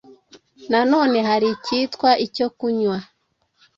Na none hari ikitwa icyokunnywa”